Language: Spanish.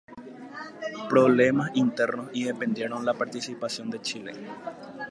Problemas internos impidieron la participación de Chile.